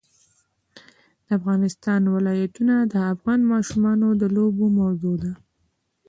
د افغانستان ولايتونه د افغان ماشومانو د لوبو موضوع ده.